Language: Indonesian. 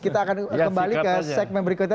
kita akan kembali ke segmen berikutnya